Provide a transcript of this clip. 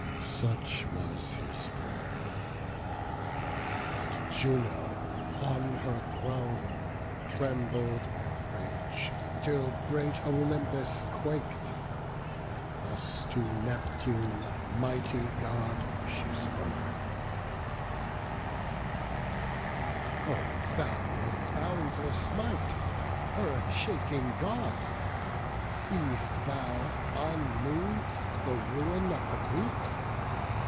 Such was his pray'r; but Juno on her throne Trembled with rage, till great Olympus quak'd, And thus to Neptune, mighty God, she spoke: "O thou of boundless might, Earth shaking God, See'st thou unmov'd the ruin of the Greeks?